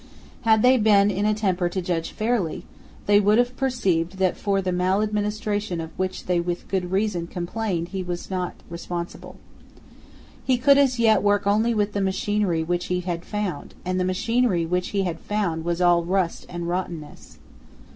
Had they been in a temper to judge fairly, they would have perceived that for the maladministration of which they with good reason complained he was not responsible. He could as yet work only with the machinery which he had found; and the machinery which he had found was all rust and rottenness.